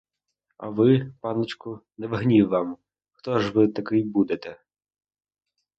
А ви, паночку, не в гнів вам, хто ж такий будете?